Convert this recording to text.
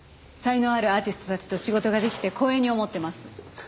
才能あるアーティストたちと仕事が出来て光栄に思ってます。